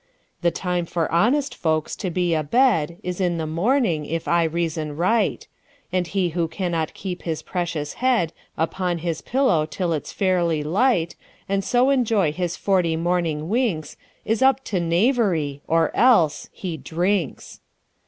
The time for honest folks to be a bedIs in the morning, if I reason right; And he who cannot keep his precious headUpon his pillow till it 's fairly light, And so enjoy his forty morning winks, Is up to knavery; or else—he drinks!